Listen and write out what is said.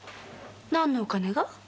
何のお金が？